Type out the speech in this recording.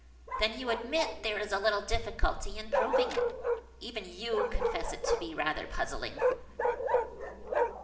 "Then you admit there is a little difficulty in proving it? Even you confess it to be rather puzzling."